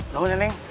jalan ya neng